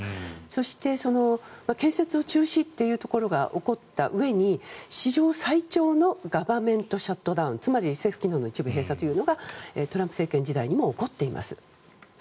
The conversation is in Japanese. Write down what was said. そしてその建設を中止というところが起こったうえに史上最長のガバメントショットダウン政府機能の一部閉鎖がトランプ政権時代にも起こっています。